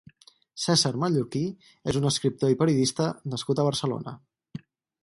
César Mallorquí és un escriptor i periodista nascut a Barcelona.